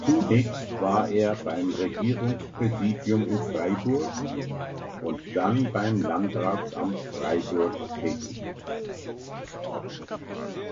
Zunächst war er beim Regierungspräsidium in Freiburg und dann beim Landratsamt Freiburg tätig.